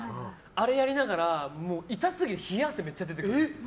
あれやりながら痛すぎて冷や汗めっちゃ出てくるんですよ。